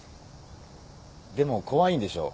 でも怖いんでしょ？